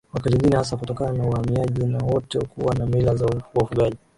Wakalenjin hasa kutokana na uhamiaji na wote kuwa na mila za wafugaji